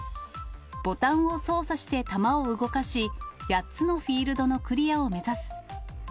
ボタンを操作して玉を動かし、８つのフィールドのクリアを目指す。